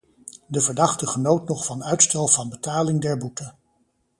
De verdachte genoot nog van uitstel van betaling der boete.